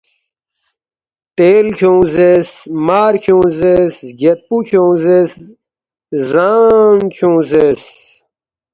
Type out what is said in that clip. تیل کھیونگ زیرس، مار کھیونگ زیرس، زگیدپُو کھیونگ زیرس، زانگ کھیونگ زیرس